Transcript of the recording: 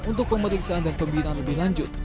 untuk pemeriksaan dan pembinaan lebih lanjut